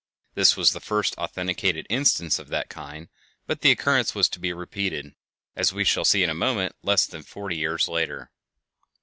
This was the first authenticated instance of that kind, but the occurrence was to be repeated, as we shall see in a moment, less than forty years later.